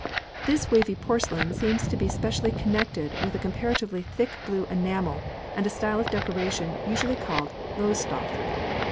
This wavy porcelain seems to be specially connected with a comparatively thick blue enamel and a style of decoration usually called Lowestoft.